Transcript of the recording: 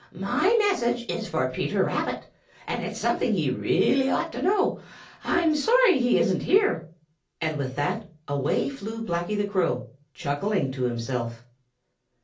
"My message is for Peter Rabbit, and it's something he really ought to know. I'm sorry he isn't here." And with that, away flew Blacky the Crow, chuckling to himself.